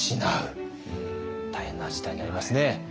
大変な事態になりますね。